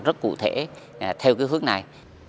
rất cụ thể theo cái hướng này